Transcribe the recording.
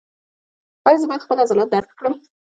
ایا زه باید خپل عضلات درد کړم؟